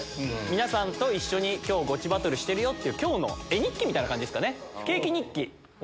皆さんと一緒にゴチバトルしてるよっていう今日の絵日記みたいな感じです。